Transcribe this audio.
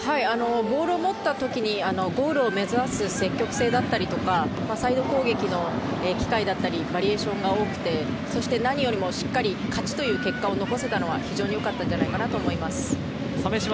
ボールを持ったときにゴールを目指す積極性だったり、サイド攻撃の機会だったり、バリエーションが多くて何よりしっかり勝ちという結果を残せたのは非常によかったんじゃないかなと思います。